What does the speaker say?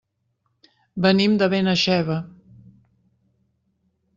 Venim de Benaixeve.